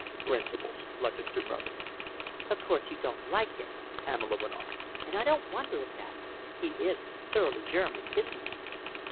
"Principles!" Lutchester murmured. "Of course, you don't like him," Pamela went on, "and I don't wonder at it. He is thoroughly German, isn't he?"